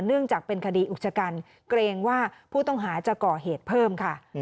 เนื่องจากเป็นคดีอุกชกันเกรงว่าผู้ต้องหาจะก่อเหตุเพิ่มค่ะ